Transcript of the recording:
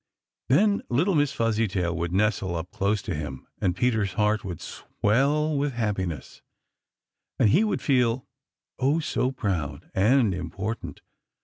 Then little Miss Fuzzytail would nestle up close to him, and Peter's heart would swell with happiness, and he would feel, oh, so proud and important.